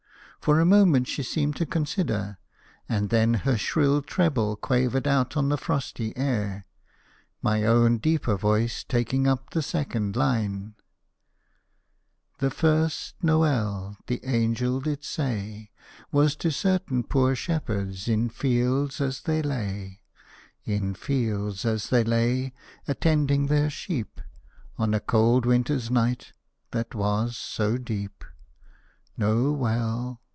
For a moment, she seemed to consider; and then her shrill treble quavered out on the frosty air, my own deeper voice taking up the second line "The first' Nowell' the angel did say Was to certain poor shepherds, in fields as they lay, In fields as they lay, a tending their sheep, On a cold winters night that was so deep Nowell!